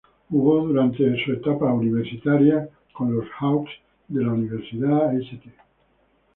Jugó durante su etapa universitaria con los "Hawks" de la Universidad St.